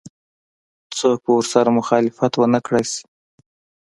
څوک به ورسره مخالفت ونه کړای شي.